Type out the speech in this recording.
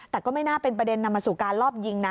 แต่ก็ไม่น่าเป็นประเด็นนำมาสู่การลอบยิงนะ